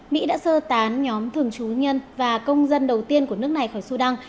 mỹ đã sơ tán nhóm thường trú nhân và công dân đầu tiên của nước này khỏi sudan